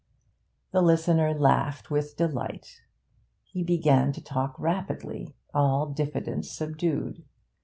The listener laughed with delight. He began to talk rapidly, all diffidence subdued.